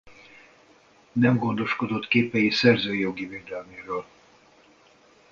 Nem gondoskodott képei szerzői jogi védelméről.